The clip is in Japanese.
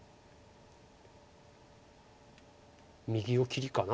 右を切りかな？